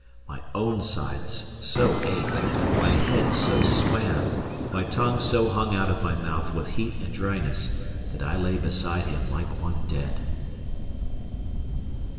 My own sides so ached, my head so swam, my tongue so hung out of my mouth with heat and dryness, that I lay beside him like one dead.